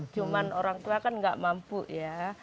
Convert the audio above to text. cuma orang tua kan nggak mampu ya